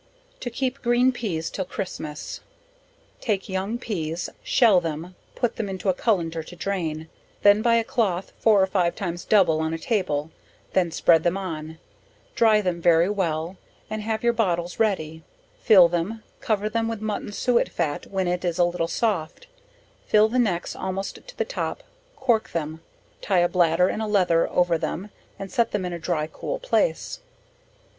To keep Green Peas till Christmas. Take young peas, shell them, put them in a cullender to drain, then by a cloth four or five times double on a table, then spread them on, dry them very well, and have your bottles ready, fill them, cover them with mutton suet fat when it is a little soft; fill the necks almost to the top, cork them, tie a bladder and a leather over them and set them in a dry cool place.